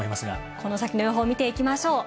この先の予報を見ていきましょう。